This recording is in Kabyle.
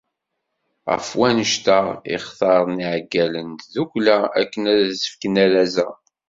Ɣef wanect-a i xtaren yiɛeggalen n tdukkla akken ad as-fken arraz-a.